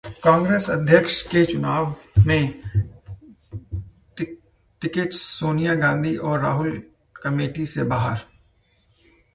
कांग्रेस अध्यक्ष के चुनाव में ट्विस्ट, सोनिया गांधी और राहुल कमेटी से बाहर